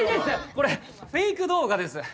これフェイク動画です。